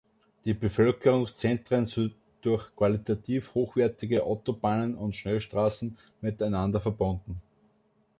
Die Bevölkerungszentren sind durch qualitativ hochwertige Autobahnen und Schnellstraßen miteinander verbunden.